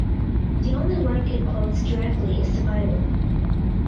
The only work it quotes directly is the Bible.